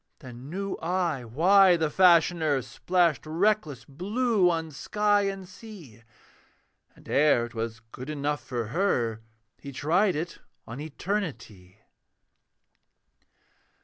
Then knew I why the Fashioner Splashed reckless blue on sky and sea; And ere 'twas good enough for her, He tried it on Eternity.